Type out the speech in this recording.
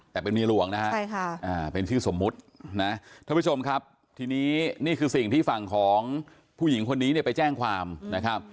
แต่เป็นเมียหลวงนะฮะเป็นชื่อสมมุตินะท่านผู้ชมครับทีนี้นี่คือสิ่งที่ฝั่งของผู้หญิงคนนี้เนี่ยไปแจ้งความนะครับ